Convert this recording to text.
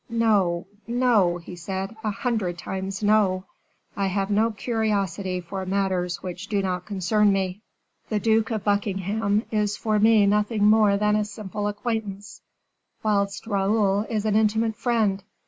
"No, no," he said, "a hundred times no! I have no curiosity for matters which do not concern me. The Duke of Buckingham is for me nothing more than a simple acquaintance, whilst Raoul is an intimate friend.